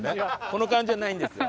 この感じはないんですよ。